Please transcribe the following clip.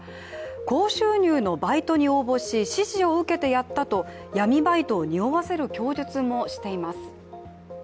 高収入のバイトに応募し指示を受けてやったと闇バイトを匂わせる供述もしています。